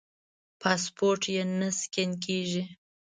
پاسپورټ یې نه سکېن کېږي.